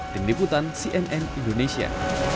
tim liputan cnn indonesia